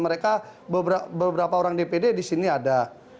mereka beberapa orang dpd di sini ada